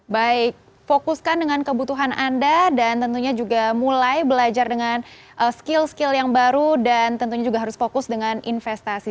baik fokuskan dengan kebutuhan anda dan tentunya juga mulai belajar dengan skill skill yang baru dan tentunya juga harus fokus dengan investasi